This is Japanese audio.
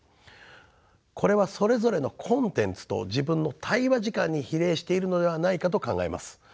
これはそれぞれのコンテンツと自分の対話時間に比例しているのではないかと考えます。